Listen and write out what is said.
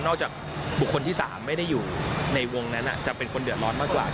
จากบุคคลที่๓ไม่ได้อยู่ในวงนั้นจะเป็นคนเดือดร้อนมากกว่า